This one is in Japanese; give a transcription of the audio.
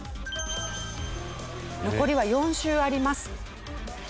残りは４周あります。